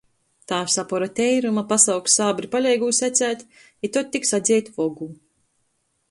Tāvs apora teiruma, pasauks sābri paleigūs ecēt, i tod tik sadzeit vogu.